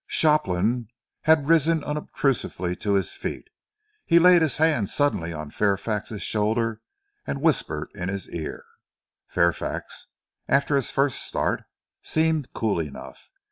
Shopland had risen unobtrusively to his feet. He laid his hand suddenly on Fairfax's shoulder and whispered in his ear. Fairfax, after his first start, seemed cool enough.